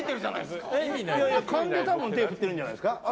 勘で手を振ってるんじゃないですか。